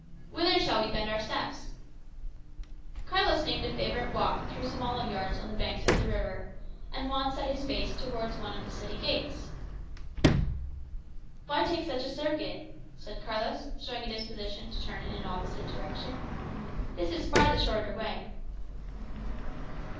"Whither shall we bend our steps?" Carlos named a favourite walk through some olive yards on the banks of the river, and Juan set his face towards one of the city gates. "Why take such a circuit?" said Carlos, showing a disposition to turn in an opposite direction. "This is far the shorter way."